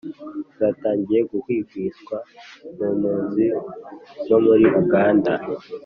zatangiye guhwihwiswa mu mpunzi zo muri uganda,